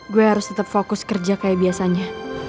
gue harus tetap fokus kerja kayak biasanya